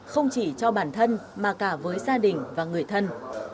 không chỉ cho bản thân mà cả với gia đình và người thân